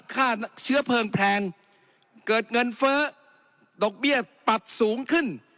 ค่าเชื้อเพลิงแพงเกิดเงินเฟ้อดอกเบี้ยปรับสูงขึ้น